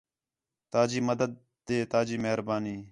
تا جی مدد تے تا جی مہربانی